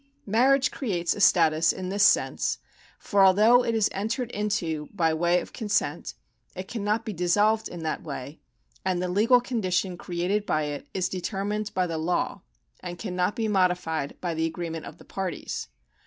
Marriage creates a status in this sense, for although it is entered into by way of con sent, it cannot be dissolved in that way, and the legal condition created by it is determined by the law, and cannot be modified by the agreement of the parties.